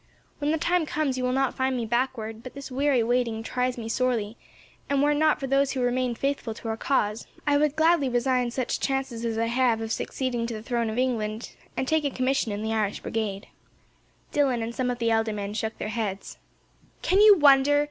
When the time comes, you will not find me backward, but this weary waiting tries me sorely, and, were it not for those who have remained faithful to our cause, I would gladly resign such chances as I have of succeeding to the throne of England, and take a commission in the Irish Brigade." Dillon and some of the elder men shook their heads. "Can you wonder?"